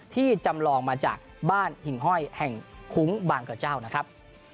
ที่จำลองมาจากบ้านหิ่งห้อยแห่งคุ้งบางกระเจ้านะครับ